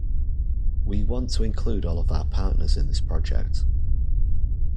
We want to include all of our partners in this project.